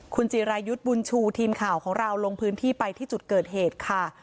คุณจิรายุทธ์บุญชูทีมข่าวของเราลงพื้นที่ไปที่จุดเกิดเหตุค่ะ